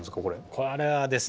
これはですね